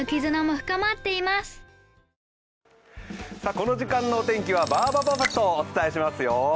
この時間のお天気はバーバパパとお伝えしますよ。